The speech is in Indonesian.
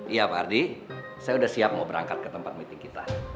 iya pak ardi saya sudah siap mau berangkat ke tempat meeting kita